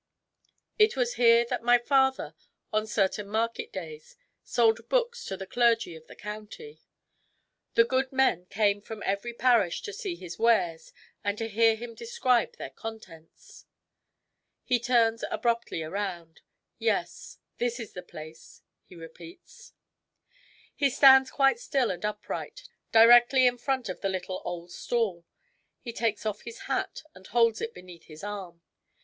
It was here that my father, on certain market days, sold books to the clergy of the county. The good men came from every parish to see his wares and to hear him describe their contents." He turns abruptly around. " Yes, this is the place," he repeats. 58 THIRTY MORE FAMOUS STORIES He stands quite still and upright, directly in front of the little old stall. He takes off his hat and holds it beneath his arm.